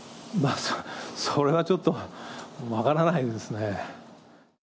それはちょっと分からないですね。